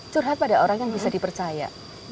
curhat pada orang yang bisa dipercaya